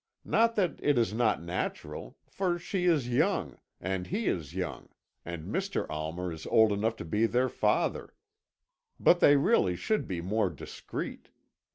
Not that it is not natural, for she is young, and he is young, and Mr. Almer is old enough to be their father; but they really should be more discreet.